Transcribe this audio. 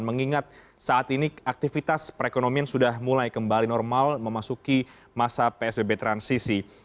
mengingat saat ini aktivitas perekonomian sudah mulai kembali normal memasuki masa psbb transisi